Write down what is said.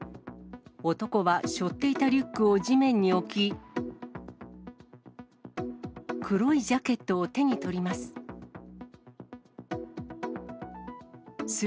男はしょっていたリュックを地面に置き、黒いジャケットを手に取ります。